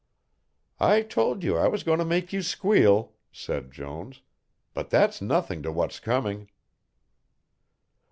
"I told you I was going to make you squeal," said Jones, "but that's nothing to what's coming."